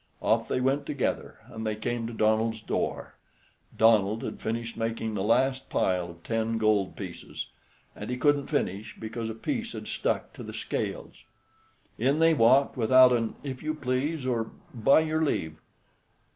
Off they went together, and they came to Donald's door. Donald had finished making the last pile of ten gold pieces. And he couldn't finish, because a piece had stuck to the scales. In they walked without an "If you please" or "By your leave."